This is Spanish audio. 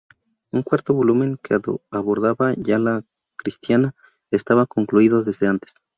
Un cuarto volumen, que abordaba ya la era cristiana, estaba concluido desde antes.